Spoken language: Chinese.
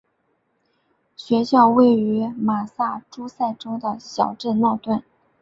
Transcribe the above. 学校位于马萨诸塞州的小镇诺顿。